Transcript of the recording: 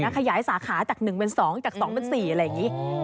ขยายสาขาจาก๑เป็น๒จาก๒เป็น๔แบบนี้